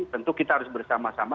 tentu kita harus bersama sama